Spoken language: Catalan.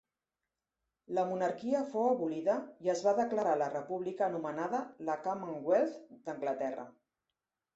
La monarquia fou abolida i es va declarar la república anomenada la Commonwealth d'Anglaterra.